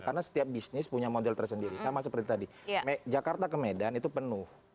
karena setiap bisnis punya model tersendiri sama seperti tadi jakarta ke medan itu penuh